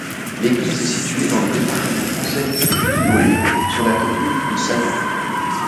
L'église est située dans le département français du Puy-de-Dôme, sur la commune de Saillant.